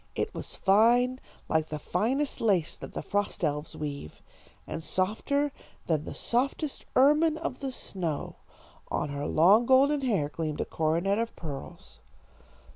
It was fine, like the finest lace that the frost elves weave, and softer than the softest ermine of the snow. On her long golden hair gleamed a coronet of pearls.